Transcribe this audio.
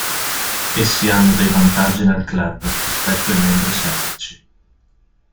Essi hanno dei vantaggi nel club, rispetto ai membri "semplici".